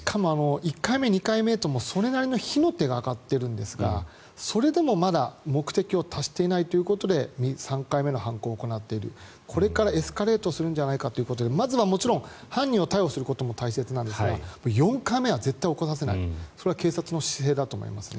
１回目、２回目ともそれなりの火の手が上がってるんですがそれでもまだ目的を達していないということで３回目の犯行を行っているこれからエスカレートするんじゃないかということでまずは犯人を逮捕することも大切なんですが４回目は絶対に起こさせないそれが警察の姿勢だと思いますね。